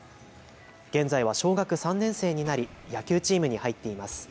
現在は小学３年生になり野球チームに入っています。